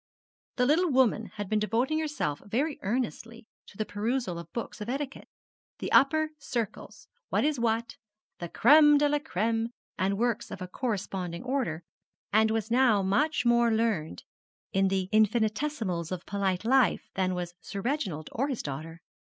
The little woman had been devoting herself very earnestly to the perusal of books of etiquette 'The Upper Circles,' 'What is What,' 'The Crême de la Crême,' and works of a corresponding order, and was now much more learned in the infinitesimals of polite life than was Sir Reginald or his daughter.